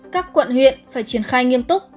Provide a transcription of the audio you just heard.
các quận huyện phải triển khai nghiêm túc